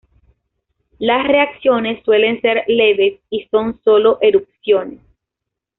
Las reacciones suelen ser leves y son sólo erupciones.